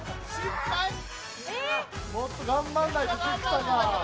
もっと頑張んないと、菊田が。